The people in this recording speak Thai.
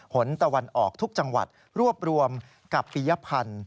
หนตะวันออกทุกจังหวัดรวบรวมกับปียพันธ์